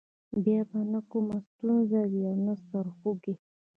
بیا به نه کومه ستونزه وي او نه سر خوږی.